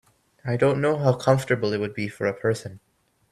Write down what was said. I don’t know how comfortable it would be for a person.